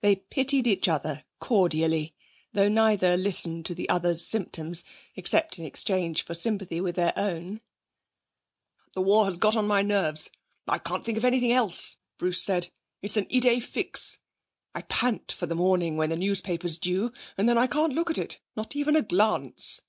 They pitied each other cordially, though neither listened to the other's symptoms, except in exchange for sympathy with their own. 'The war has got on my nerves; I can't think of anything else,' Bruce said. 'It's an idée fixe. I pant for the morning when the newspaper's due, and then I can't look at it! Not even a glance!